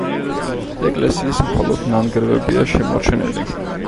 ეკლესიის მხოლოდ ნანგრევებია შემორჩენილი.